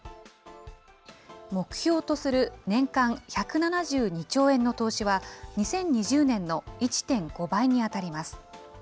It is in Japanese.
目標とする年間１７２兆円の投資は、２０２０年の１．５倍に当たります。